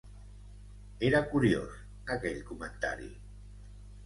Era curiós, aquell comentari.